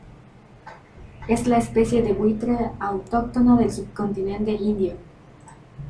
Es la especie de buitre autóctona del subcontinente indio.